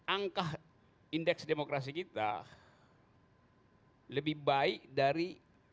dua ribu tujuh belas angka indeks demokrasi kita lebih baik dari dua ribu enam belas